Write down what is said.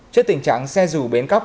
trước tình trạng xe dù bến cắp